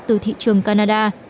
từ thị trường canada